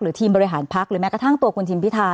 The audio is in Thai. ทีมบริหารพักหรือแม้กระทั่งตัวคุณทิมพิธา